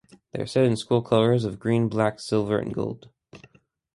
They are set in school colours of green, black, silver and gold.